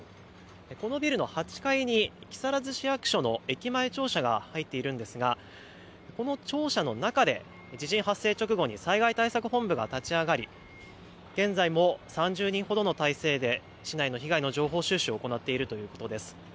このビルの８階に木更津市役所の駅前庁舎が入っているんですがこの庁舎の中で地震発生直後に災害対策本部が立ち上がり現在も３０人ほどの態勢で市内の被害の情報収集を行っているということです。